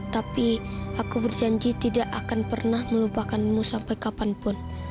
tapi aku berjanji tidak akan pernah melupakanmu sampai kapanpun